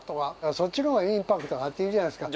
そっちの方がインパクトがあっていいじゃないですか。